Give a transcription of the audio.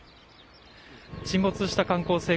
沈没した観光船